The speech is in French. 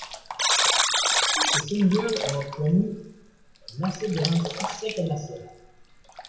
Tous ces singles ont obtenu un assez grand succès commercial.